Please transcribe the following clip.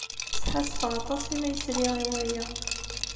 Sḥassfeɣ aṭas imi ay sliɣ i waya.